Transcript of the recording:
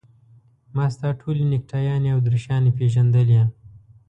ما ستا ټولې نکټایانې او دریشیانې پېژندلې.